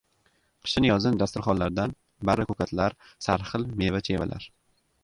Qishin-yozin dasturxonlardan barra ko‘katlar, sarxil meva-chevalar